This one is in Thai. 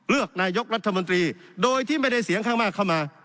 เลือกนายกรัฐมนตรีโดยที่ไม่ได้เสียงข้างมากเข้ามา